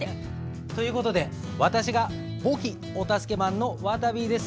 という事で私が簿記お助けマンのわたびです。